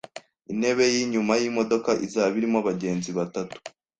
Intebe yinyuma yimodoka izaba irimo abagenzi batatu